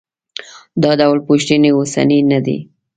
دا ډول پوښتنې اوسنۍ نه دي.